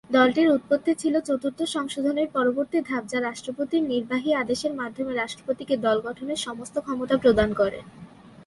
দলটির উৎপত্তি ছিল চতুর্থ সংশোধনীর পরবর্তী ধাপ যা রাষ্ট্রপতির নির্বাহী আদেশের মাধ্যমে রাষ্ট্রপতিকে দল গঠনের সমস্ত ক্ষমতা প্রদান করে।